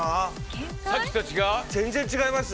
さっきと違う？